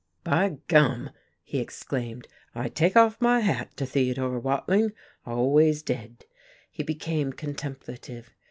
"By gum!" he exclaimed. "I take off my hat to Theodore Watling, always did." He became contemplative.